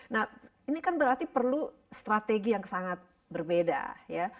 nah ini kan berarti perlu strategi yang sangat berbeda ya